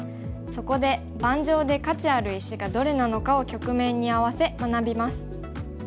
そこで盤上で価値ある石がどれなのかを局面に合わせ学びます。